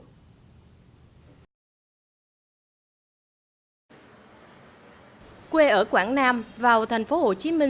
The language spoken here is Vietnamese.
quê ở quảng nam vào thành phố hồ chí minh hiện có khoảng gần năm trăm linh hộ chưa có nhà ở hoặc đang ở chung với cha mẹ người thân